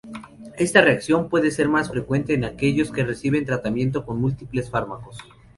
Esta reacción puede ser más frecuente en aquellos que reciben tratamiento con múltiples fármacos.